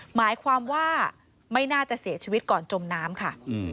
หมายความว่าไม่น่าจะเสียชีวิตก่อนจมน้ำค่ะ